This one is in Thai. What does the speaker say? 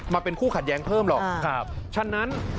มาเป็นคู่ขัดแย้งเพิ่มหรอกฉะนั้น